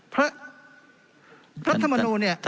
พระธรรมดูเนี่ย